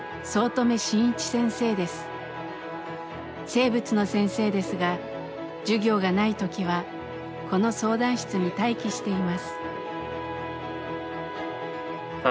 生物の先生ですが授業がない時はこの相談室に待機しています。